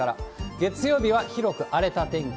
月曜日は広く荒れた天気。